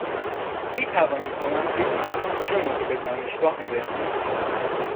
می توانید به من بگویید چه موقع به دانشگاه می رسیم؟